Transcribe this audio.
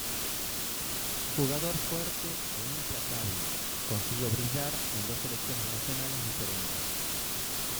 Jugador fuerte e implacable, consiguió brillar en dos selecciones nacionales diferentes.